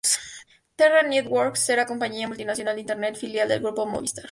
Terra Networks era compañía Multinacional de Internet, filial del grupo Movistar.